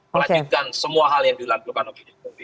melanjutkan semua hal yang dilakukan oleh jokowi